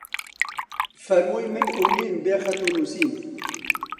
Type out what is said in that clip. فەرمووی: من ئوممیم بێ خەت و نووسین